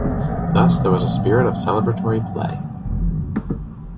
Thus there was a spirit of celebratory play.